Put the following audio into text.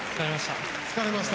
疲れました？